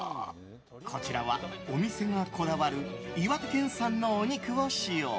こちらはお店がこだわる岩手県産のお肉を使用。